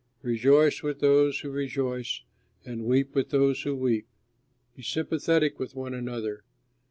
Rejoice with those who rejoice, and weep with those who weep. Be sympathetic with one another.